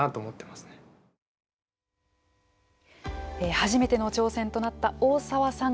初めての挑戦となった大澤さん。